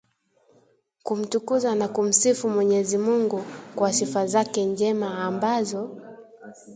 kumtukuza na kumsifu Mwenyezi Mungu kwa sifa zake njema ambazo